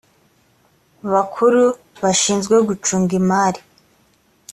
bakuru bashinzwe gucunga imari